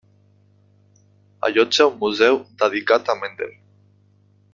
Allotja un museu dedicat a Mendel.